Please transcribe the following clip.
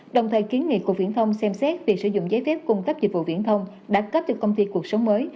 đồng thời kiến nghị cục viễn thông xem xét việc sử dụng giấy phép cung cấp dịch vụ viễn thông đã cấp cho công ty cuộc sống mới